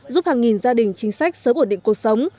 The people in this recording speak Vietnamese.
giúp hàng nghìn gia đình chính sách sớm ổn định cuộc sống